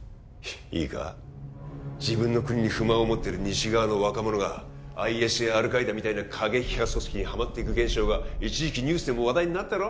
いいか自分の国に不満を持ってる西側の若者がアイエスやアルカイダみたいな過激派組織にハマっていく現象が一時期ニュースでも話題になったろ？